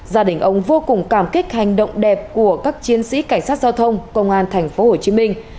gia đình ông vô cùng cảm kích hành động đẹp của các chiến sĩ cảnh sát giao thông công an thành phố hồ chí minh